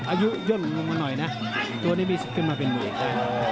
อายุย่นลงมาหน่อยนะตัวนี้มีสิทธิ์ขึ้นมาเป็นหมื่นได้